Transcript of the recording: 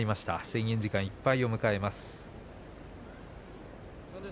制限時間いっぱいを迎えます。